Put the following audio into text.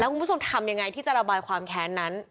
คุณผู้ชมทำยังไงที่จะระบายความแค้นนั้น